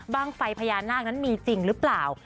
ไฟพญานาคนั้นมีจริงหรือเปล่า